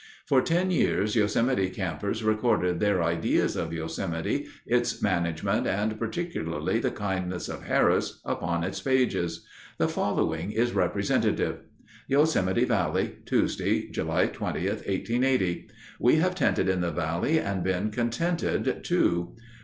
For ten years Yosemite campers recorded their ideas of Yosemite, its management, and particularly the kindness of Harris, upon its pages. The following is representative: Yosemite Valley, Tuesday, July 20th, 1880 We have tented in the Valley and been contented too.